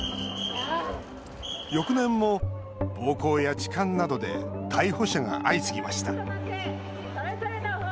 翌年も暴行や痴漢などで逮捕者が相次ぎました。